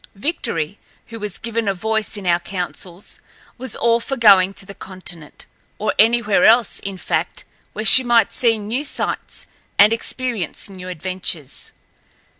Victory, who was given a voice in our councils, was all for going to the continent, or anywhere else, in fact, where she might see new sights and experience new adventures.